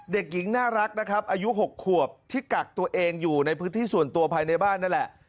เด็กหญิงน่ารักนะครับอายุ๖ขวบที่กักตัวเองอยู่ในพื้นที่ส่วนตัวภายในบ้านนั่นแหละ